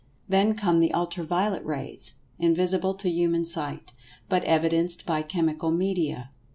Then come the Ultra violet rays—invisible to human sight—but evidenced by chemical media.